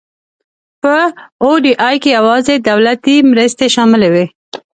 په او ډي آی کې یوازې دولتي مرستې شاملې وي.